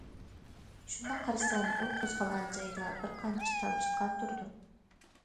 شۇنداق قارىسام ئۇ قوزغالغان جايىدا بىر قانچە تامچە قان تۇرىدۇ.